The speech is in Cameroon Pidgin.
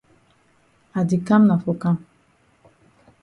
I di kam na for kam.